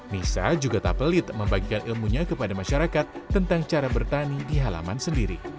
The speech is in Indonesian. nisa juga tak pelit membagikan ilmunya kepada masyarakat tentang cara bertani di halaman sendiri